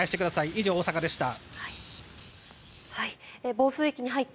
以上、大阪でした。